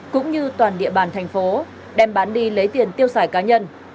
cũng như toàn địa bàn thành phố đem bán đi lấy tiền tiêu xài của các tài sản